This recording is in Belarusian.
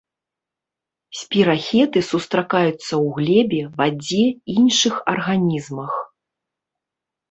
Спірахеты сустракаюцца ў глебе, вадзе, іншых арганізмах.